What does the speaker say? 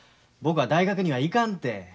僕は大学には行かんて。